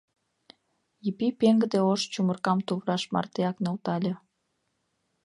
— Епи пеҥгыде ош чумыркам тувраш мартеак нӧлтале.